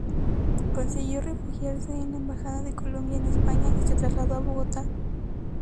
Consiguió refugiarse en la embajada de Colombia en España, y se trasladó a Bogotá.